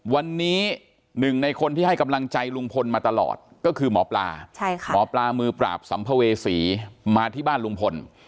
วันนี้หนึ่งในคนที่ให้กำลังใจลุงพลมาตลอดก็คือหมอปลาหมอปลามือปราบสัมภเวษีมาที่บ้านลุงพล